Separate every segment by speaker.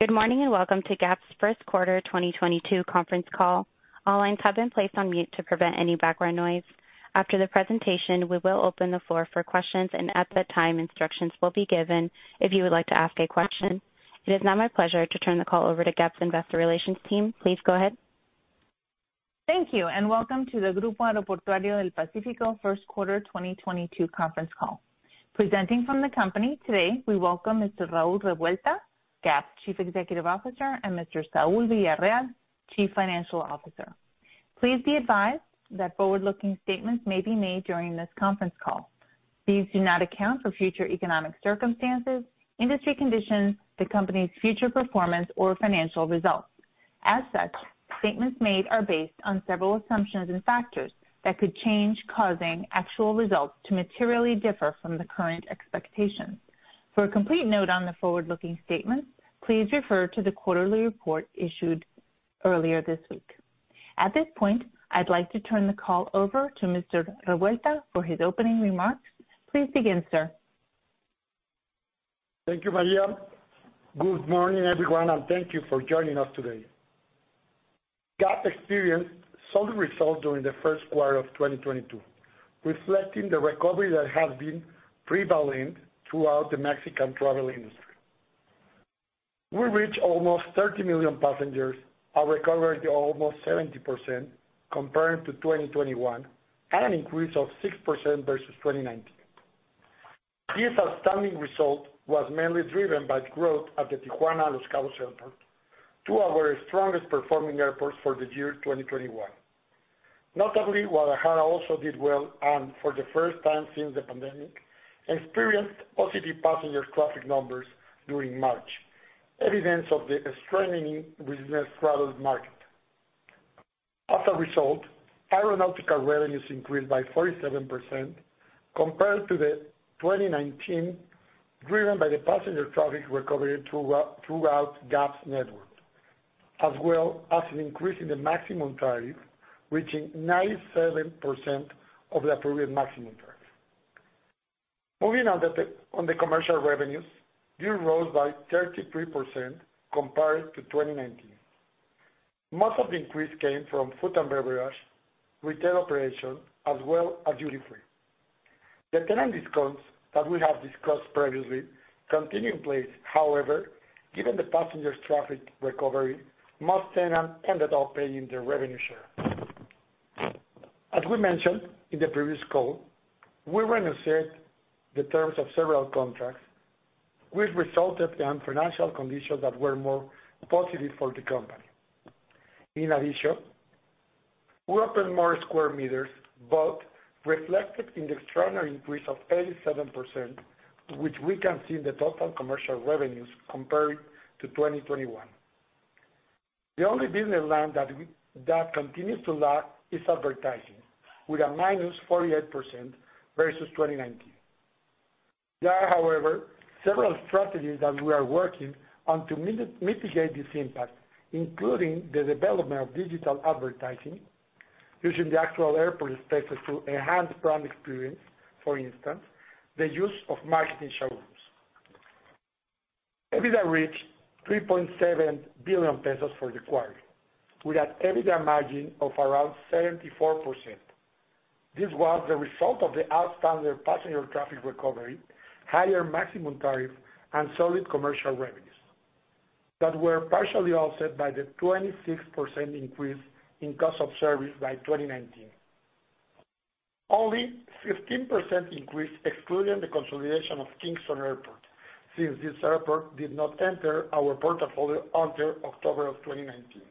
Speaker 1: Good morning, and welcome to GAP's first quarter 2022 conference call. All lines have been placed on mute to prevent any background noise. After the presentation, we will open the floor for questions, and at that time, instructions will be given if you would like to ask a question. It is now my pleasure to turn the call over to GAP's investor relations team. Please go ahead.
Speaker 2: Thank you, and welcome to the Grupo Aeroportuario del Pacífico first quarter 2022 conference call. Presenting from the company today, we welcome Mr. Raúl Revuelta, GAP's Chief Executive Officer, and Mr. Saúl Villarreal, Chief Financial Officer. Please be advised that forward-looking statements may be made during this conference call. These do not account for future economic circumstances, industry conditions, the company's future performance, or financial results. As such, statements made are based on several assumptions and factors that could change, causing actual results to materially differ from the current expectations. For a complete note on the forward-looking statements, please refer to the quarterly report issued earlier this week. At this point, I'd like to turn the call over to Mr. Revuelta for his opening remarks. Please begin, sir.
Speaker 3: Thank you, Maria. Good morning, everyone, and thank you for joining us today. GAP experienced solid results during the first quarter of 2022, reflecting the recovery that has been prevalent throughout the Mexican travel industry. We reached almost 30 million passengers, a recovery of almost 70% compared to 2021, and an increase of 6% versus 2019. This outstanding result was mainly driven by growth at the Tijuana and Los Cabos Airport, two of our strongest performing airports for the year 2021. Notably, Guadalajara also did well and, for the first time since the pandemic, experienced positive passenger traffic numbers during March, evidence of the strengthening business travel market. As a result, aeronautical revenues increased by 47% compared to 2019, driven by the passenger traffic recovery throughout GAP's network, as well as an increase in the maximum tariff, reaching 97% of the approved maximum tariff. Moving on to the commercial revenues, these rose by 33% compared to 2019. Most of the increase came from food and beverage, retail operations, as well as duty free. The tenant discounts that we have discussed previously continue in place. However, given the passengers' traffic recovery, most tenants ended up paying their revenue share. As we mentioned in the previous call, we renegotiated the terms of several contracts, which resulted in financial conditions that were more positive for the company. In addition, we opened more square meters, both reflected in the extraordinary increase of 87%, which we can see in the total commercial revenues compared to 2021. The only business line that continues to lag is advertising, with a -48% versus 2019. There are, however, several strategies that we are working on to mitigate this impact, including the development of digital advertising using the actual airport spaces to enhance brand experience, for instance, the use of marketing showrooms. EBITDA reached 3.7 billion pesos for the quarter, with an EBITDA margin of around 74%. This was the result of the outstanding passenger traffic recovery, higher maximum tariff, and solid commercial revenues that were partially offset by the 26% increase in cost of service by 2019. Only 15% increase excluding the consolidation of Kingston Airport, since this airport did not enter our portfolio until October of 2019.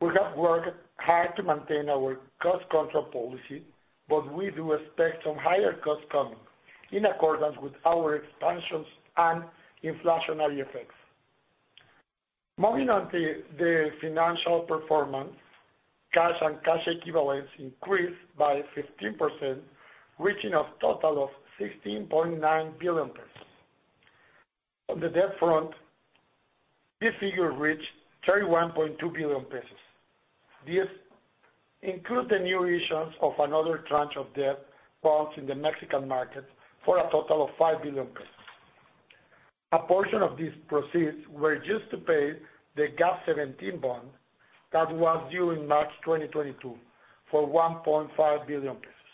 Speaker 3: We have worked hard to maintain our cost control policy, but we do expect some higher costs coming in accordance with our expansions and inflationary effects. Moving on to the financial performance, cash and cash equivalents increased by 15%, reaching a total of 16.9 billion pesos. On the debt front, this figure reached 31.2 billion pesos. This includes the new issuance of another tranche of debt bonds in the Mexican market for a total of 5 billion pesos. A portion of these proceeds were used to pay the GAP 17 bond that was due in March 2022 for 1.5 billion pesos.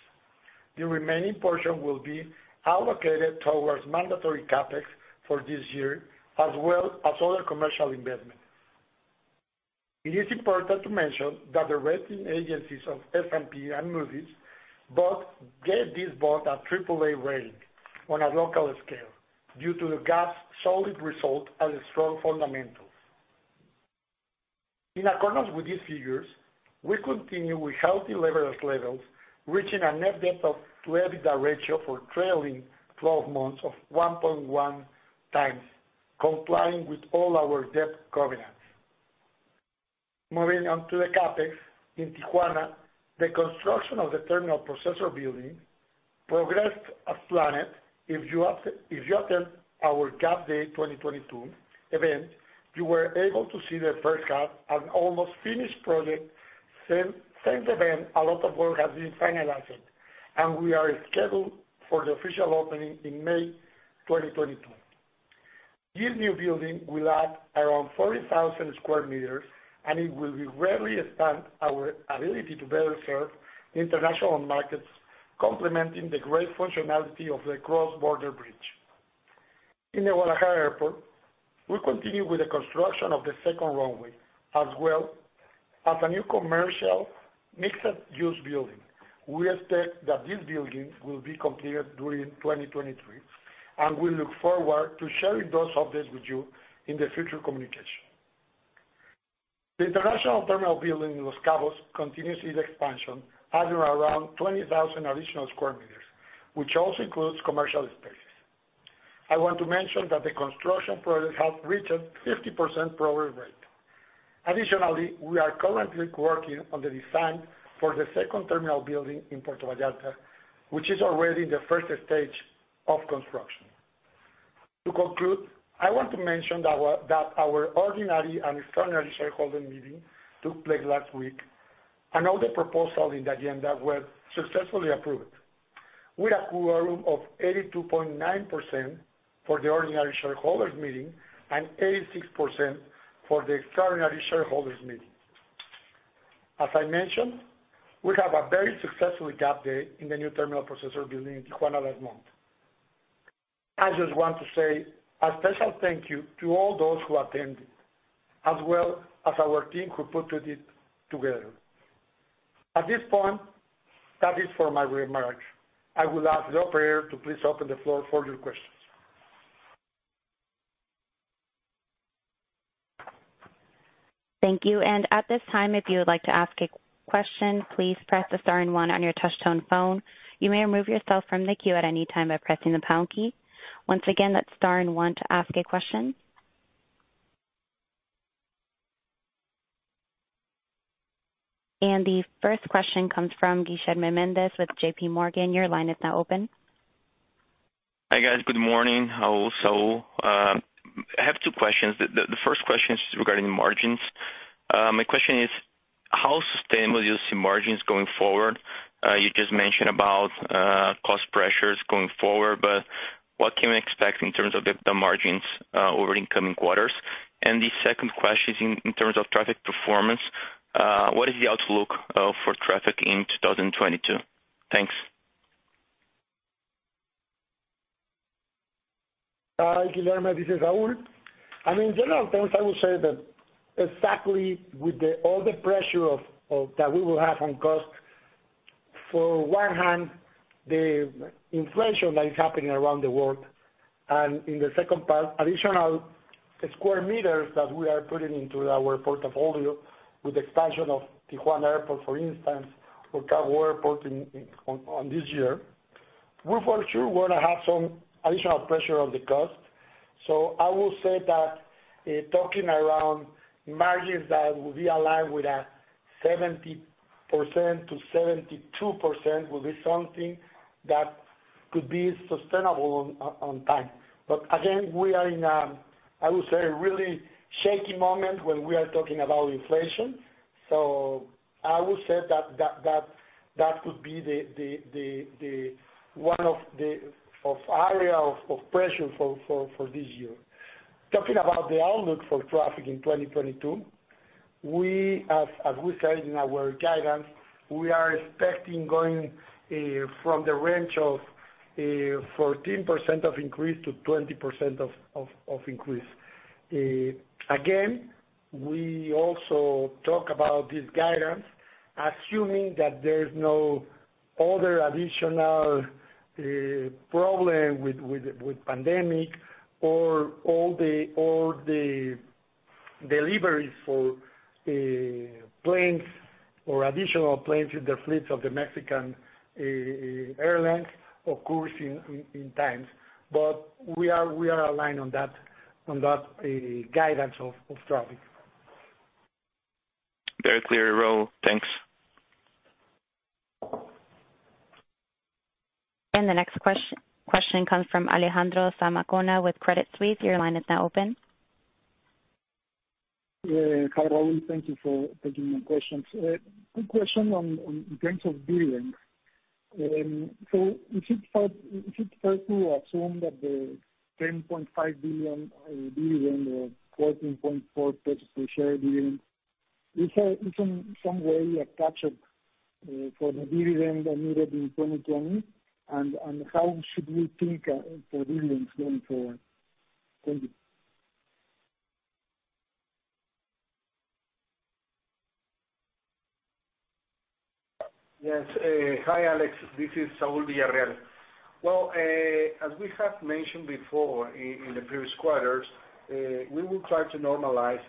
Speaker 3: The remaining portion will be allocated towards mandatory CapEx for this year, as well as other commercial investments. It is important to mention that the rating agencies of S&P and Moody's both gave this bond a AAA rating on a local scale due to the GAP's solid results and strong fundamentals. In accordance with these figures, we continue with healthy leverage levels, reaching a net debt to EBITDA ratio for trailing twelve months of 1.1x, complying with all our debt covenants. Moving on to the CapEx. In Tijuana, the construction of the Transit Processing Building progressed as planned. If you attend our GAP Day 2022 event, you were able to see the first half, an almost finished project. Since the event, a lot of work has been finalized. We are scheduled for the official opening in May 2022. This new building will add around 40,000 sq m, and it will greatly expand our ability to better serve international markets, complementing the great functionality of the Cross Border Xpress. In the Guadalajara Airport, we continue with the construction of the second runway, as well as a new commercial mixed-use building. We expect that this building will be completed during 2023, and we look forward to sharing those updates with you in the future communication. The international terminal building in Los Cabos continues its expansion, adding around 20,000 additional square meters, which also includes commercial spaces. I want to mention that the construction project has reached 50% progress rate. Additionally, we are currently working on the design for the second terminal building in Puerto Vallarta, which is already in the first stage of construction. To conclude, I want to mention that our ordinary and extraordinary shareholders meeting took place last week, and all the proposals in the agenda were successfully approved, with a quorum of 82.9% for the ordinary shareholders meeting and 86% for the extraordinary shareholders meeting. As I mentioned, we have a very successful update in the new Transit Processing Building in Tijuana last month. I just want to say a special thank you to all those who attended, as well as our team who put it together. At this point, that is for my remarks. I will ask the operator to please open the floor for your questions.
Speaker 1: Thank you. At this time, if you would like to ask a question, please press the star and one on your touch tone phone. You may remove yourself from the queue at any time by pressing the pound key. Once again, that's star and one to ask a question. The first question comes from Guilherme Mendes with JPMorgan. Your line is now open.
Speaker 4: Hi, guys. Good morning. I have two questions. The first question is regarding margins. My question is how sustainable do you see margins going forward? You just mentioned about cost pressures going forward, but what can we expect in terms of the margins over incoming quarters? The second question is in terms of traffic performance. What is the outlook for traffic in 2022? Thanks.
Speaker 3: Hi, Guilherme. This is Raúl. I mean, in general terms, I will say that exactly with all the pressure of that we will have on cost, on one hand, the inflation that is happening around the world, and in the second part, additional square meters that we are putting into our portfolio with expansion of Tijuana Airport, for instance, or Cabo Airport in this year. We for sure we're gonna have some additional pressure on the cost. I will say that talking around margins that will be aligned with a 70%-72% will be something that could be sustainable on time. Again, we are in, I would say, a really shaky moment when we are talking about inflation. I would say that could be one of the areas of pressure for this year. Talking about the outlook for traffic in 2022, as we said in our guidance, we are expecting going from the range of 14%-20% increase. Again, we also talk about this guidance assuming that there is no other additional problem with the pandemic or all the deliveries for planes or additional planes with the fleets of the Mexican airlines, of course, on time. We are aligned on that guidance of traffic.
Speaker 4: Very clear, Raúl. Thanks.
Speaker 1: The next question comes from Alejandro Zamacona with Credit Suisse. Your line is now open.
Speaker 5: Yeah. Hi, Raúl. Thank you for taking my questions. Quick question on in terms of dividend. So we should start to assume that the 10.5 billion dividend or 14.4 pesos per share dividend is in some way a catch up for the dividend omitted in 2020. How should we think for dividends going forward? Thank you.
Speaker 6: Yes. Hi, Alex. This is Saúl Villarreal. Well, as we have mentioned before in the previous quarters, we will try to normalize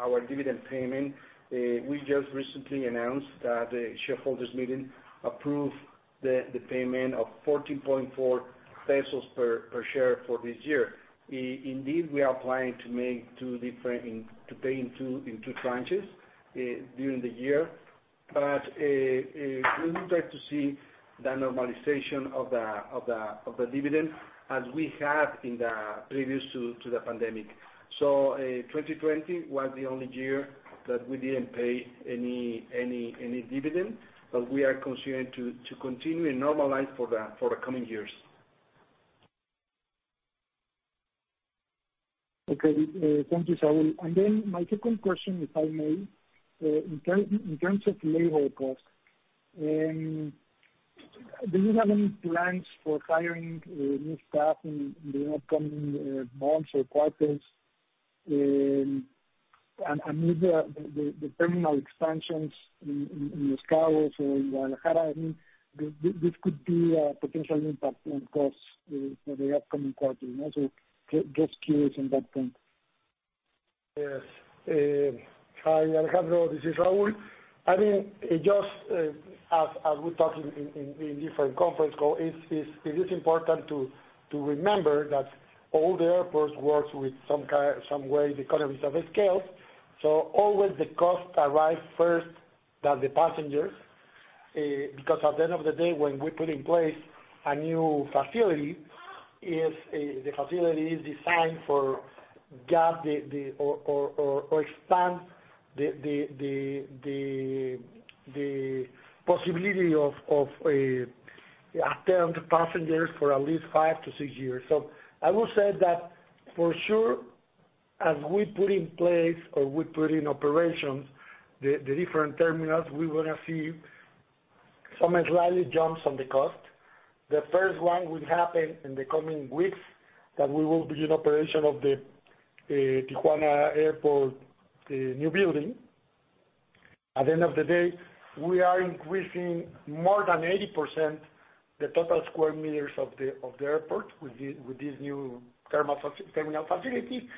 Speaker 6: our dividend payment. We just recently announced that the shareholders meeting approved the payment of 14.4 pesos per share for this year. Indeed, we are planning to pay in 2 tranches during the year. We would like to see the normalization of the dividend as we had in the previous to the pandemic. 2020 was the only year that we didn't pay any dividend. We are considering to continue and normalize for the coming years.
Speaker 5: Okay. Thank you, Raúl. My second question, if I may, in terms of labor cost, do you have any plans for hiring new staff in the upcoming months or quarters? With the terminal expansions in Los Cabos or in Guadalajara, I mean, this could be a potential impact on costs for the upcoming quarter, you know, so curious on that point.
Speaker 3: Yes. Hi Alejandro, this is Raúl. I mean, just as we talked in different conference call, it is important to remember that all the airports work with some way the economies of scale. Always the costs arrive first then the passengers, because at the end of the day, when we put in place a new facility, if the facility is designed for GAP, or expand the possibility of attend passengers for at least 5-6 years. I would say that for sure, as we put in place or we put in operations the different terminals, we wanna see some slight jumps on the cost. The first one will happen in the coming weeks, that we will begin operation of the Tijuana airport, the new building. At the end of the day, we are increasing more than 80% the total square meters of the airport with this new terminal facility.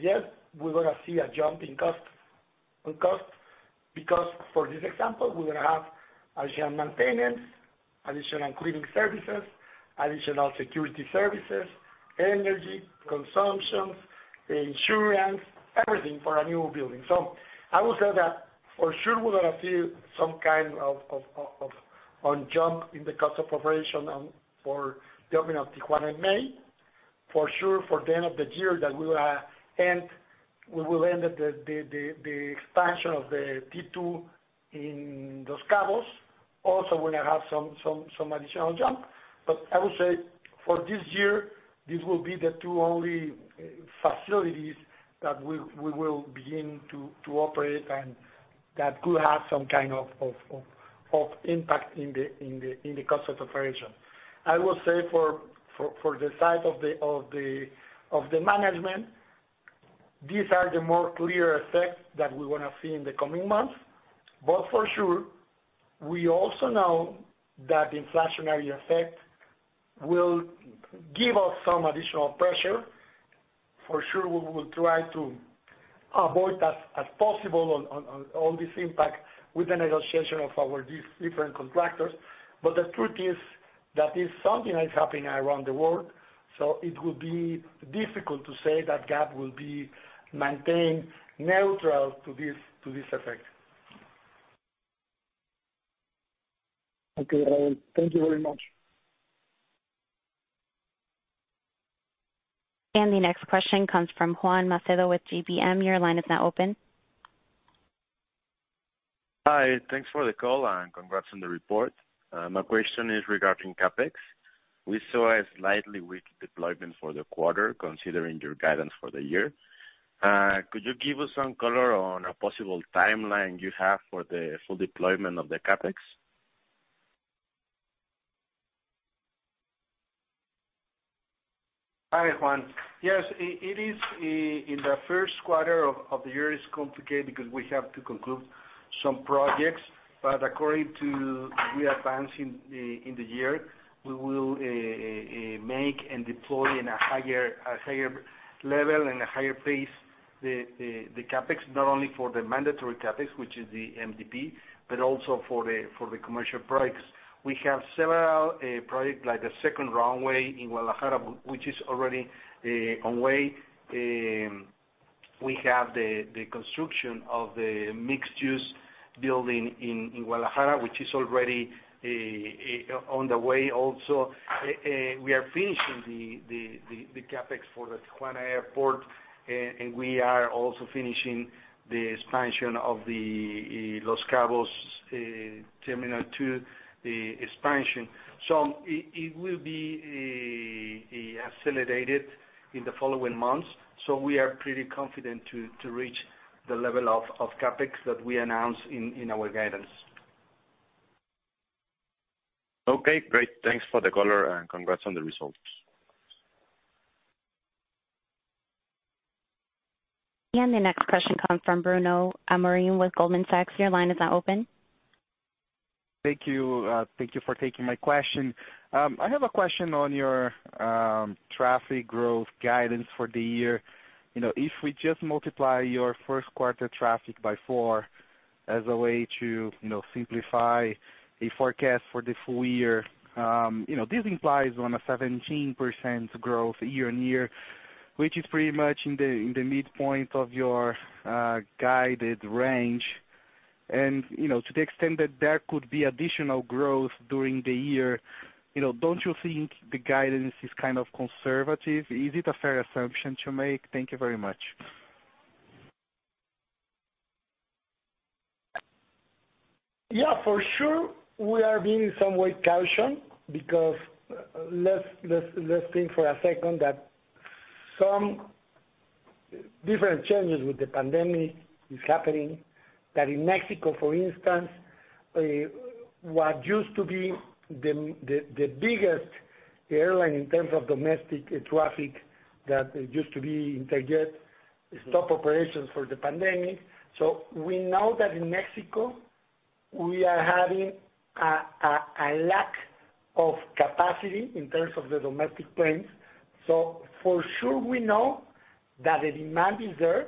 Speaker 3: Yes, we're gonna see a jump in cost, in cost because for this example, we're gonna have additional maintenance, additional cleaning services, additional security services, energy consumptions, insurance, everything for a new building. I would say that for sure we're gonna see some kind of jump in the cost of operation for the opening of Tijuana in May. For sure for the end of the year that we will end, we will end the expansion of the T2 in Los Cabos. Also we're gonna have some additional jump. I would say for this year, this will be the two only facilities that we will begin to operate and that could have some kind of impact in the cost of operation. I will say for the side of the management, these are the more clear effects that we wanna see in the coming months. For sure, we also know that inflationary effect will give us some additional pressure. For sure we will try to avoid as possible on all this impact with the negotiation of our different contractors. The truth is that it is something that's happening around the world, so it would be difficult to say that GAP will be maintained neutral to this effect.
Speaker 5: Okay, Raúl. Thank you very much.
Speaker 1: The next question comes from Juan Macedo with GBM. Your line is now open.
Speaker 7: Hi. Thanks for the call and congrats on the report. My question is regarding CapEx. We saw a slightly weak deployment for the quarter, considering your guidance for the year. Could you give us some color on a possible timeline you have for the full deployment of the CapEx?
Speaker 3: Hi, Juan. Yes, it is in the first quarter of the year. It's complicated because we have to conclude some projects, but according as we advance in the year, we will make and deploy in a higher level and a higher pace the CapEx, not only for the mandatory CapEx, which is the MDP, but also for the commercial projects. We have several projects like the second runway in Guadalajara, which is already on the way. We have the construction of the mixed-use building in Guadalajara, which is already on the way also. We are finishing the CapEx for the Tijuana airport, and we are also finishing the expansion of the Los Cabos Terminal 2, the expansion. It will be accelerated in the following months, so we are pretty confident to reach the level of CapEx that we announced in our guidance.
Speaker 7: Okay, great. Thanks for the color and congrats on the results.
Speaker 1: The next question come from Bruno Amorim with Goldman Sachs. Your line is now open.
Speaker 8: Thank you. Thank you for taking my question. I have a question on your traffic growth guidance for the year. You know, if we just multiply your first quarter traffic by 4 as a way to, you know, simplify a forecast for the full year, you know, this implies 17% growth year-on-year, which is pretty much in the midpoint of your guided range. You know, to the extent that there could be additional growth during the year, you know, don't you think the guidance is kind of conservative? Is it a fair assumption to make? Thank you very much.
Speaker 3: Yeah, for sure we are being somewhat cautious because let's think for a second that some different changes with the pandemic is happening. In Mexico, for instance, what used to be the biggest airline in terms of domestic traffic that used to be Interjet stopped operations for the pandemic. We know that in Mexico we are having a lack of capacity in terms of the domestic planes. For sure we know that the demand is there,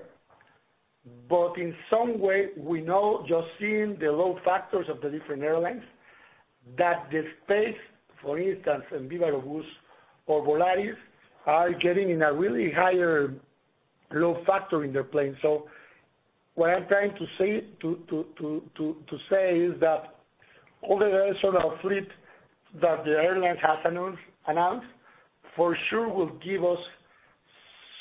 Speaker 3: but in some way we know just seeing the load factors of the different airlines that the space, for instance, in Viva Aerobus or Volaris are getting a really higher load factor in their planes. What I'm trying to say is that all the rest of the fleet that the airlines has announced for sure will give us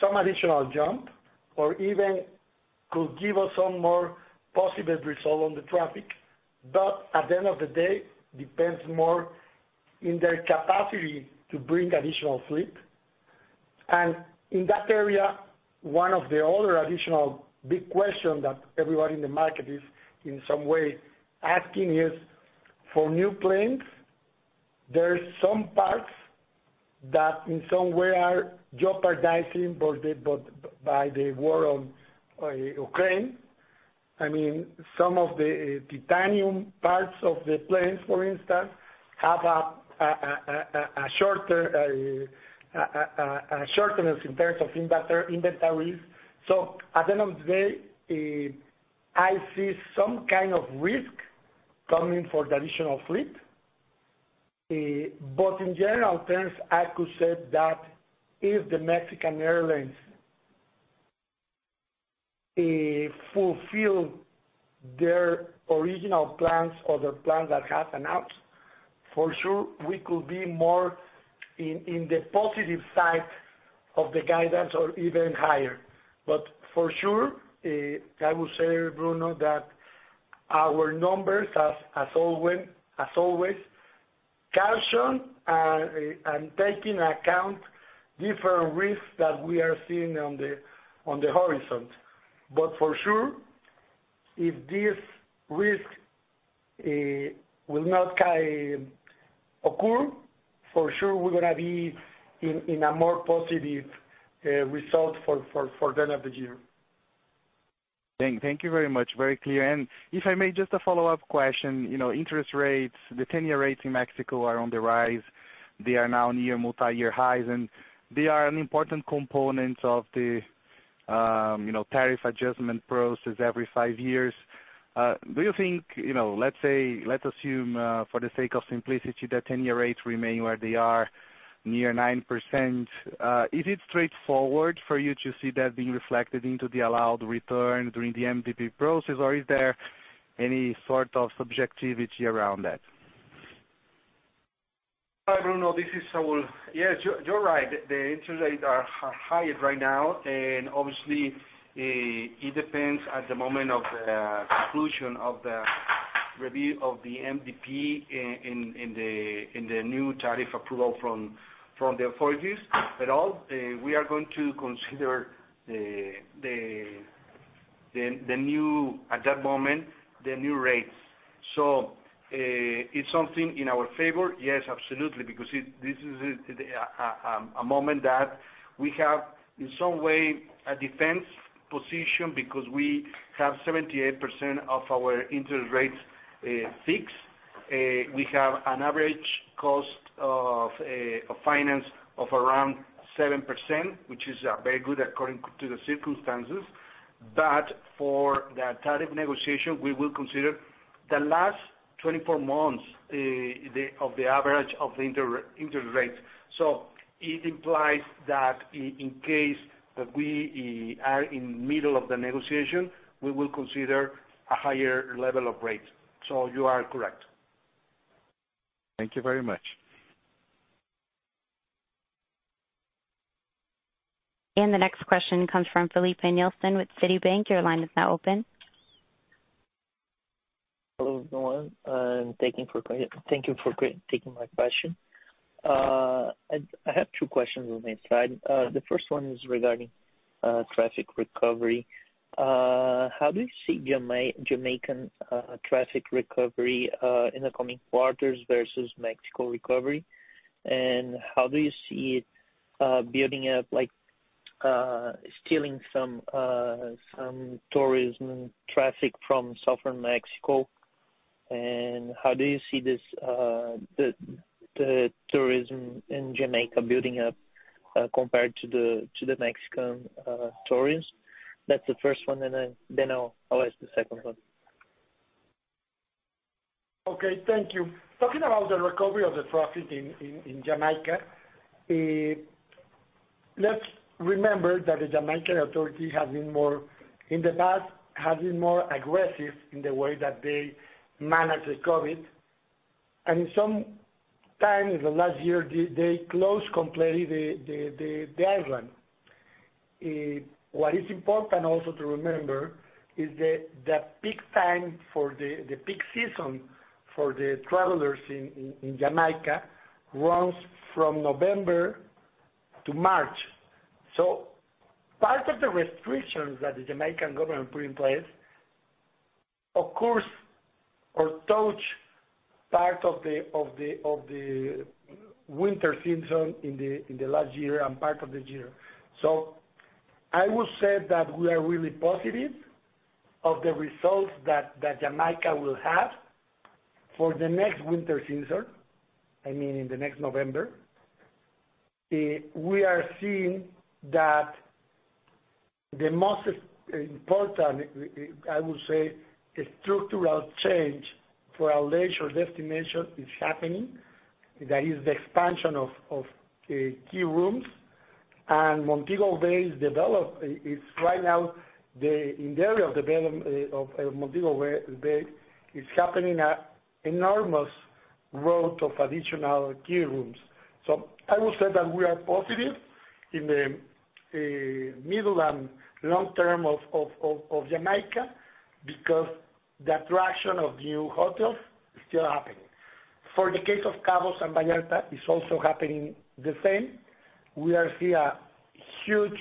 Speaker 3: some additional jump or even could give us some more positive result on the traffic. At the end of the day, depends more on their capacity to bring additional fleet. In that area, one of the other additional big question that everybody in the market is in some way asking is for new planes, there are some parts that in some way are jeopardized by the war in Ukraine. I mean, some of the titanium parts of the planes, for instance, have a shortage in terms of inventories. At the end of the day, I see some kind of risk coming for the additional fleet. In general terms, I could say that if the Mexican airlines fulfill their original plans or the plans that have announced, for sure we could be more in the positive side of the guidance or even higher. For sure, I would say, Bruno, that our numbers as always caution, and taking account different risks that we are seeing on the horizon. For sure, if this risk will not occur, for sure we're gonna be in a more positive result for the end of the year.
Speaker 8: Thank you very much. Very clear. If I may just a follow-up question. You know, interest rates, the ten-year rates in Mexico are on the rise. They are now near multi-year highs, and they are an important component of the, you know, tariff adjustment process every five years. Do you think, you know, let's say, let's assume, for the sake of simplicity, the ten-year rates remain where they are, near 9%. Is it straightforward for you to see that being reflected into the allowed return during the MDP process, or is there any sort of subjectivity around that?
Speaker 6: Hi, Bruno, this is Saúl. Yes, you're right. The interest rates are higher right now, and obviously, it depends at the moment of the inclusion of the review of the MDP in the new tariff approval from the authorities at all. We are going to consider the new at that moment the new rates. It's something in our favor? Yes, absolutely, because this is a moment that we have, in some way, a defense position because we have 78% of our interest rates fixed. We have an average cost of finance of around 7%, which is very good according to the circumstances. For the tariff negotiation, we will consider the last 24 months of the average of the interest rates.
Speaker 3: It implies that in case we are in middle of the negotiation, we will consider a higher level of rates. You are correct.
Speaker 8: Thank you very much.
Speaker 1: The next question comes from Filipe Nielsen with Citi. Your line is now open.
Speaker 9: Hello, everyone, thank you for taking my question. I have two questions on upside. The first one is regarding traffic recovery. How do you see Jamaican traffic recovery in the coming quarters versus Mexico recovery? And how do you see it building up, like, some tourism traffic from Southern Mexico? And how do you see the tourism in Jamaica building up compared to the Mexican tourists? That's the first one, then I'll ask the second one.
Speaker 3: Okay. Thank you. Talking about the recovery of the traffic in Jamaica. Let's remember that the Jamaican authority has been more aggressive in the past in the way that they manage the COVID. Some time in the last year, they closed completely the island. What is important also to remember is that the peak season for the travelers in Jamaica runs from November to March. Part of the restrictions that the Jamaican government put in place, of course, touched part of the winter season in the last year and part of this year. I would say that we are really positive of the results that Jamaica will have for the next winter season. I mean, in the next November. We are seeing that the most important, I would say structural change for our leisure destination is happening. That is the expansion of keys. Montego Bay is developed. It's right now in the area of development of Montego Bay is happening at enormous growth of additional keys. I would say that we are positive in the middle and long term of Jamaica because the attraction of new hotels is still happening. For the case of Los Cabos and Vallarta, it's also happening the same. We are seeing a huge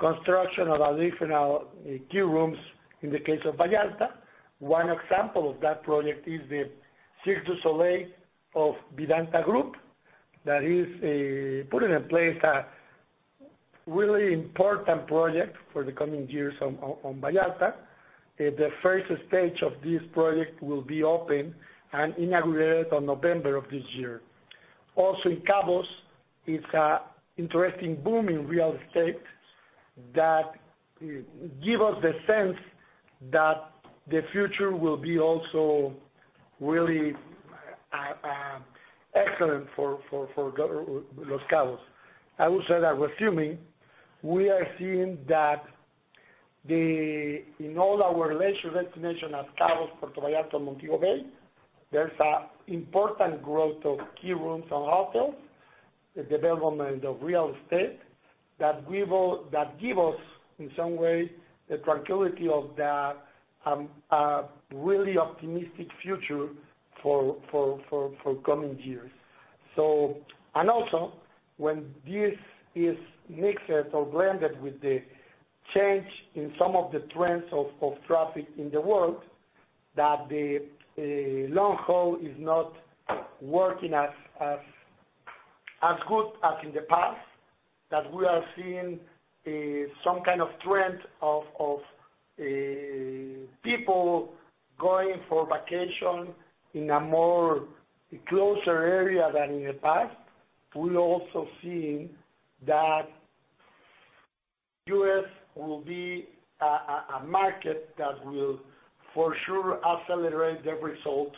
Speaker 3: construction of additional keys in the case of Vallarta. One example of that project is the Cirque du Soleil of Grupo Vidanta. That is putting in place a really important project for the coming years on Vallarta. The first stage of this project will be open and inaugurated on November of this year. In Los Cabos, it's an interesting boom in real estate that give us the sense that the future will be also really excellent for Los Cabos. I would say that resuming, we are seeing that in all our leisure destination at Los Cabos, Puerto Vallarta, Montego Bay, there's an important growth of key rooms and hotels, the development of real estate that give us, in some way, the tranquility of the really optimistic future for coming years. When this is mixed or blended with the change in some of the trends of traffic in the world, that the long haul is not working as good as in the past, that we are seeing some kind of trend of people going for vacation in a more closer area than in the past. We're also seeing that U.S. will be a market that will for sure accelerate the result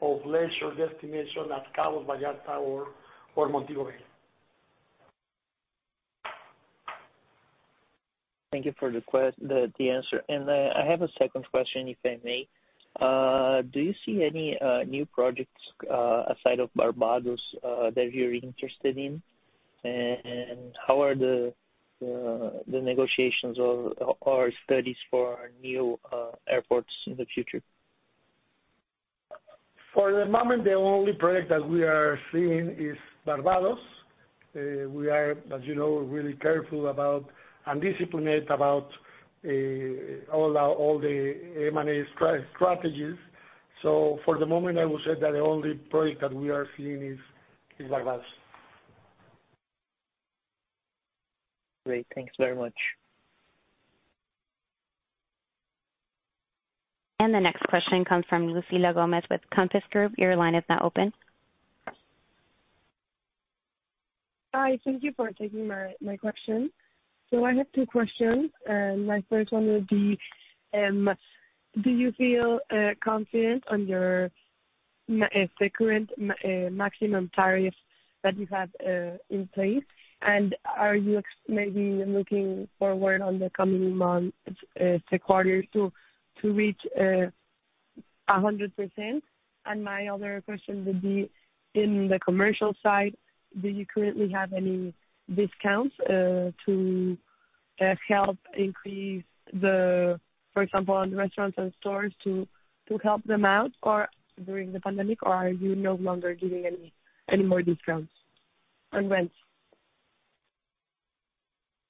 Speaker 3: of leisure destination at Cabos, Vallarta or Montego Bay.
Speaker 9: Thank you for the answer. I have a second question, if I may. Do you see any new projects outside of Barbados that you're interested in? How are the negotiations or studies for new airports in the future?
Speaker 3: For the moment, the only project that we are seeing is Barbados. We are, as you know, really careful about and disciplined about all the M&A strategies. For the moment, I would say that the only project that we are seeing is Barbados.
Speaker 9: Great. Thanks very much.
Speaker 1: The next question comes from Lucila Gomez Palomino with Compass Group. Your line is now open.
Speaker 10: Hi. Thank you for taking my question. I have two questions, and my first one would be, do you feel confident on the current maximum tariff that you have in place? Are you maybe looking forward on the coming months, the quarter to reach 100%? My other question would be in the commercial side, do you currently have any discounts to help increase, for example, on the restaurants and stores to help them out or during the pandemic, or are you no longer giving any more discounts, and when?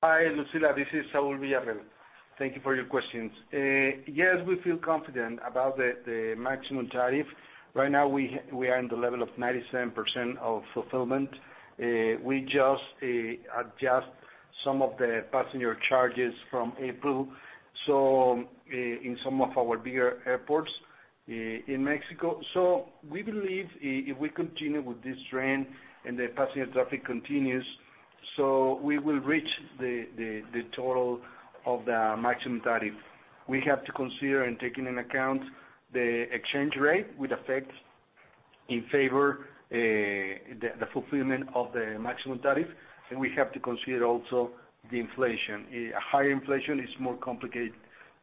Speaker 6: Hi, Lucila. This is Saúl Villarreal. Thank you for your questions. Yes, we feel confident about the maximum tariff. Right now, we are in the level of 97% of fulfillment. We just adjust some of the passenger charges from April in some of our bigger airports in Mexico. We believe if we continue with this trend and the passenger traffic continues, we will reach the total of the maximum tariff. We have to consider and taking in account the exchange rate will affect in favor the fulfillment of the maximum tariff. We have to consider also the inflation. A higher inflation is more complicated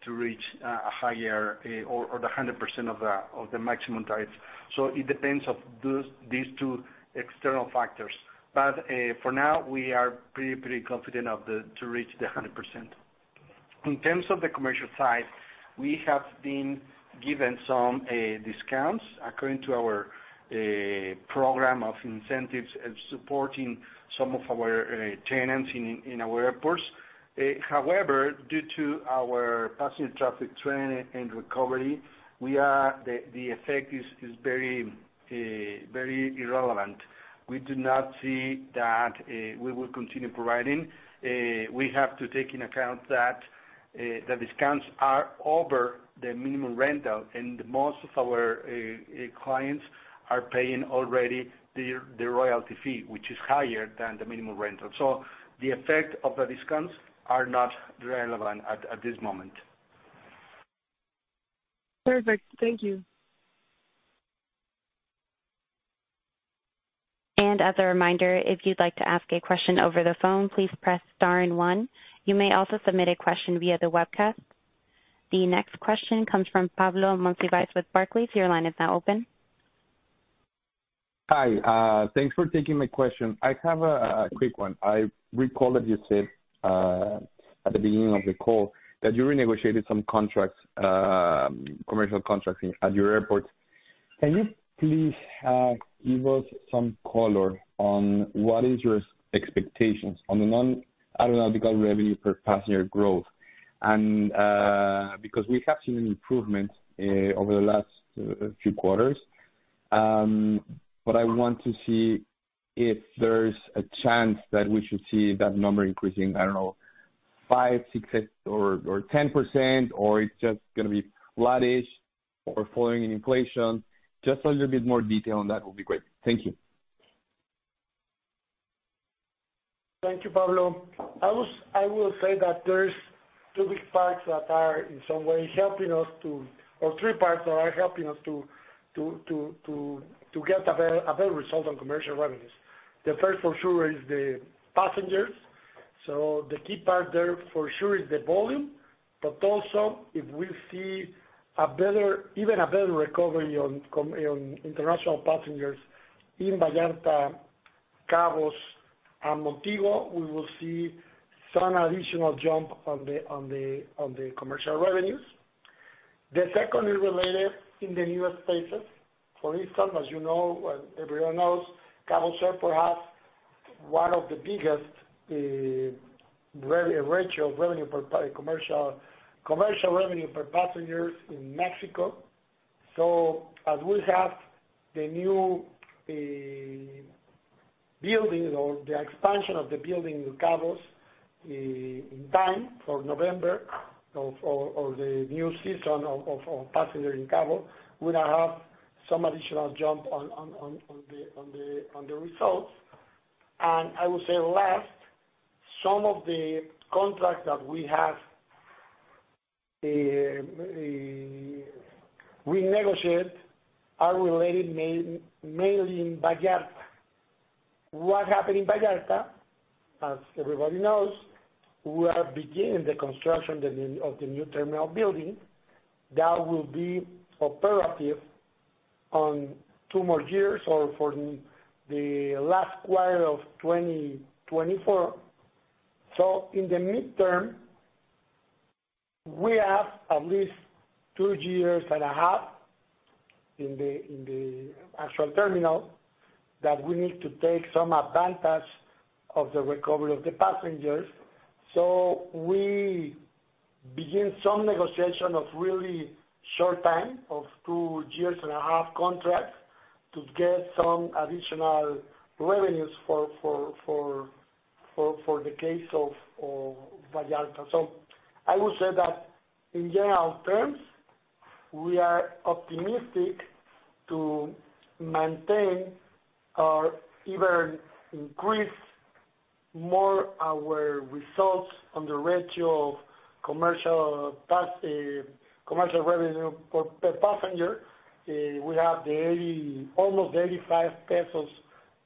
Speaker 6: to reach a higher or the 100% of the maximum tariff. It depends of these two external factors. For now, we are pretty confident to reach 100%. In terms of the commercial side, we have been giving some discounts according to our program of incentives and supporting some of our tenants in our airports. However, due to our passenger traffic trend and recovery, the effect is very irrelevant. We do not see that we will continue providing. We have to take into account that the discounts are over the minimum rental, and most of our clients are paying already the royalty fee, which is higher than the minimum rental. The effect of the discounts are not relevant at this moment.
Speaker 10: Perfect. Thank you.
Speaker 1: As a reminder, if you'd like to ask a question over the phone, please press star and one. You may also submit a question via the webcast. The next question comes from Pablo Monsivais with Barclays. Your line is now open.
Speaker 11: Hi. Thanks for taking my question. I have a quick one. I recall that you said at the beginning of the call that you renegotiated some contracts, commercial contracts at your airport. Can you please give us some color on what is your expectations on the non-aeronautical revenue per passenger growth? Because we have seen an improvement over the last few quarters, but I want to see if there's a chance that we should see that number increasing, I don't know, 5, 6, or 10%, or it's just gonna be flattish or following an inflation. Just a little bit more detail on that will be great. Thank you.
Speaker 3: Thank you, Pablo. I will say that there's two big parts that are in some way helping us, or three parts that are helping us to get a better result on commercial revenues. The first for sure is the passengers. The key part there for sure is the volume. Also if we see a better, even a better recovery on international passengers in Vallarta, Cabos and Montego, we will see some additional jump on the commercial revenues. The second is related in the newer spaces. For instance, as you know, everyone knows, Cabos has perhaps one of the biggest ratio of commercial revenue per passenger in Mexico. As we have the new building or the expansion of the building in Cabos in time for November of the new season of passenger in Cabo, we now have some additional jump on the results. I will say last, some of the contracts that we have renegotiated are related mainly in Vallarta. What happened in Vallarta, as everybody knows, we are beginning the construction of the new terminal building that will be operative on two more years or for the last quarter of 2024. In the midterm, we have at least two years and a half in the actual terminal that we need to take some advantage of the recovery of the passengers. We begin some negotiation of really short time of two years and a half contract to get some additional revenues for the case of Vallarta. I would say that in general terms, we are optimistic to maintain or even increase more our results on the ratio of commercial revenue per passenger. We have almost 85 pesos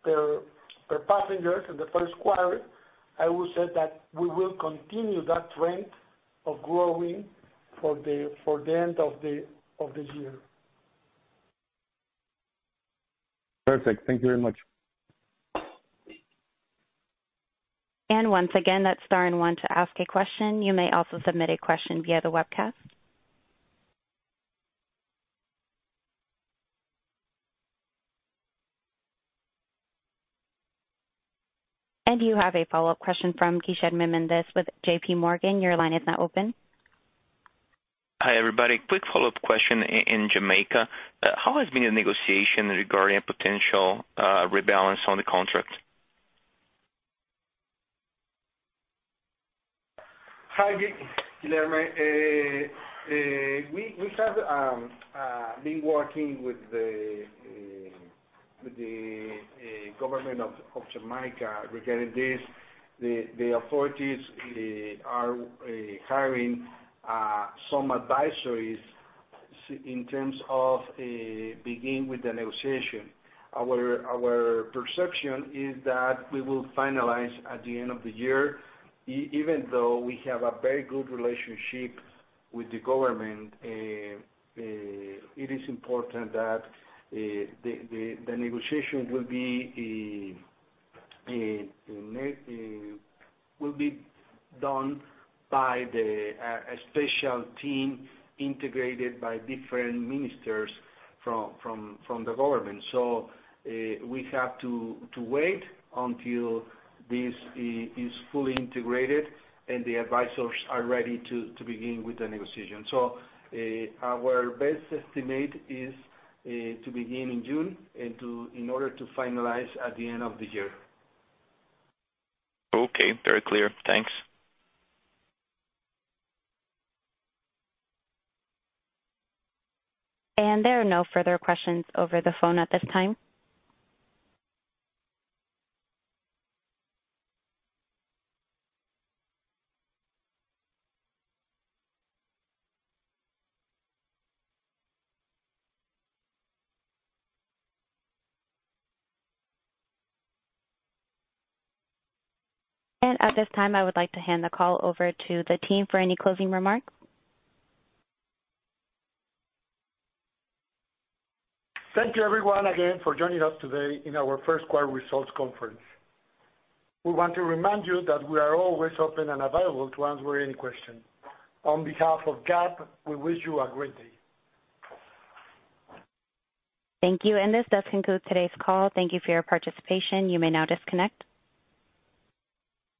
Speaker 3: per passenger in the first quarter. I would say that we will continue that trend of growing for the end of this year.
Speaker 11: Perfect. Thank you very much.
Speaker 1: Once again, that's star and one to ask a question. You may also submit a question via the webcast. You have a follow-up question from Guilherme Mendes with J.P. Morgan. Your line is now open.
Speaker 4: Hi, everybody. Quick follow-up question. In Jamaica, how has been the negotiation regarding potential rebalance on the contract?
Speaker 3: Hi, Guilherme. We have been working with the government of Jamaica regarding this. The authorities are hiring some advisors in terms of begin with the negotiation. Our perception is that we will finalize at the end of the year. Even though we have a very good relationship with the government, it is important that the negotiation will be done by a special team integrated by different ministers from the government. We have to wait until this is fully integrated and the advisors are ready to begin with the negotiation. Our best estimate is to begin in June in order to finalize at the end of the year.
Speaker 4: Okay. Very clear. Thanks.
Speaker 1: There are no further questions over the phone at this time. At this time, I would like to hand the call over to the team for any closing remarks.
Speaker 3: Thank you everyone again for joining us today in our first quarter results conference. We want to remind you that we are always open and available to answer any question. On behalf of GAP, we wish you a great day.
Speaker 1: Thank you. This does conclude today's call. Thank you for your participation. You may now disconnect.